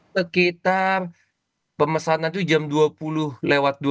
sekitar pemesanan itu jam dua puluh lewat dua puluh